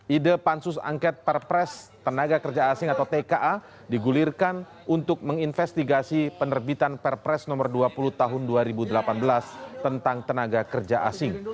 ide pansus angket perpres tenaga kerja asing atau tka digulirkan untuk menginvestigasi penerbitan perpres nomor dua puluh tahun dua ribu delapan belas tentang tenaga kerja asing